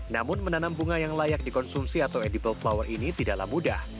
namun menanam bunga yang layak dikonsumsi atau edible flower ini tidaklah mudah